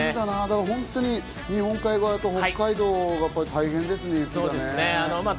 本当に日本海側と北海道側、大変ですね。